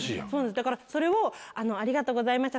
だからそれをありがとうございました